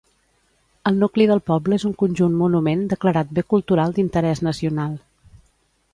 El nucli del poble és un conjunt monument declarat bé cultural d'interès nacional.